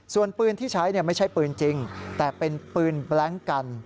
ส่วนปืนที่ใช้ไม่ใช่ปืนจริงแต่เป็นปืนแบล็งกัน